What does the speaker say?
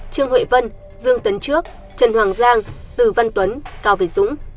trương huệ vân dương tấn trước trần hoàng giang từ văn tuấn cao việt dũng